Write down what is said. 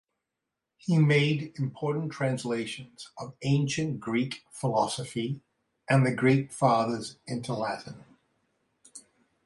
He made important translations of ancient Greek philosophy and the Greek Fathers into Latin.